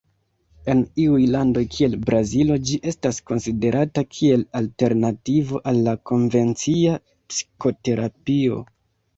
En iuj landoj kiel Brazilo ĝi estas konsiderata kiel alternativo al la konvencia psikoterapio.